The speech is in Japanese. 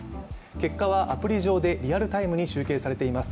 結果はアプリ上でリアルタイムに集計されています。